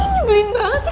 nyebelin banget sih